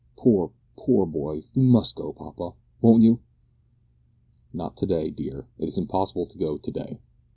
Poor, poor boy, we must go, papa, won't you?" "Not to day, dear. It is impossible to go to day.